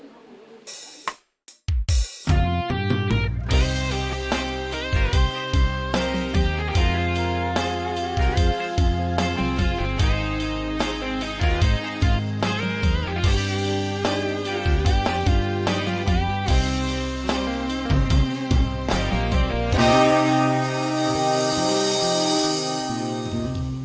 ฟัง